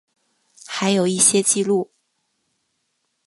还有一些记录